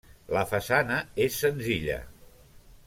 La façana és senzilla.